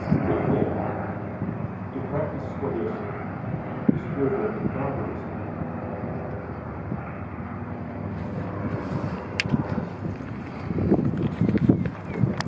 With them to practise Swadeshi is to revert to barbarism. I cannot enter into a detailed analysis of the position.